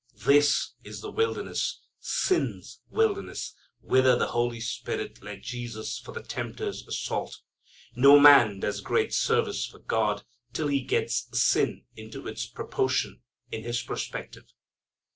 This is the wilderness, sin's wilderness, whither the Holy Spirit led Jesus for the tempter's assault. No man does great service for God till he gets sin into its proportion in his perspective.